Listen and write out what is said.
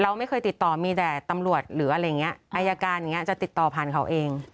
เราไม่เคยติดต่อมีแต่ตำรวจหรืออะไรอย่างนี้อายการอย่างนี้จะติดต่อผ่านเขาเอง